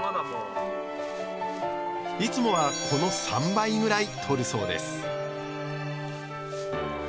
いつもはこの３倍ぐらい採るそうです